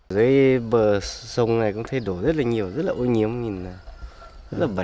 dưới bờ sông này cũng thấy đổ rất là nhiều rất là ô nhiễm rất là bẩn